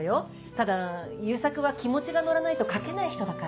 ただ悠作は気持ちが乗らないと描けない人だから。